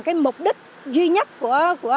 cái mục đích duy nhất của